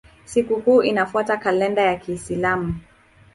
Sikukuu inafuata kalenda ya Kiislamu.